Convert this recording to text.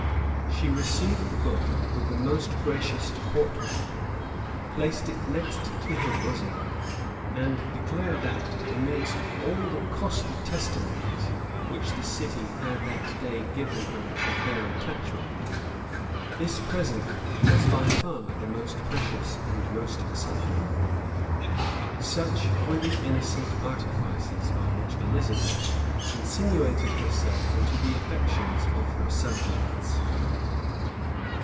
She received the book with the most gracious deportment; placed it next her bosom; and declared that, amidst all the costly testimonies which the city had that day given her of their attachment, this present was by far the most precious and most acceptable.[*] Such were the innocent artifices by which Elizabeth insinuated herself into the affections of her subjects.